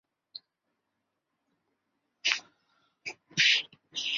法尔日阿利尚人口变化图示